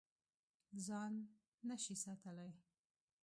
ځان نه شې ساتلی.